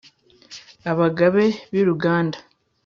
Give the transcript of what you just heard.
abagabe b’i ruganda